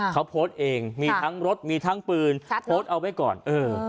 เขาโพสต์เองมีทั้งรถมีทั้งปืนโพสต์เอาไว้ก่อนเออ